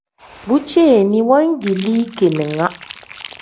Bu ceeni wangilii keninga.